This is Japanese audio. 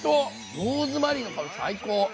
ローズマリーの香り最高！